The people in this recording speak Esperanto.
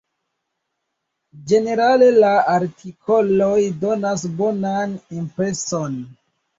Ĝenerale la artikoloj donas bonan impreson.